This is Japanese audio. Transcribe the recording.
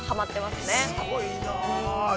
◆すごいな。